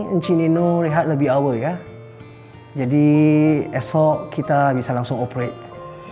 encik nino rehat lebih awal ya jadi esok kita bisa langsung operate